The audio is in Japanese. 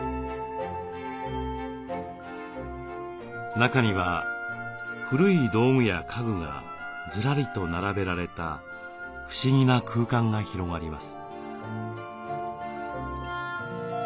中には古い道具や家具がずらりと並べられた不思議な空間が広がります。